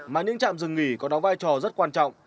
mà những trạm dừng nghỉ có đóng vai trò rất quan trọng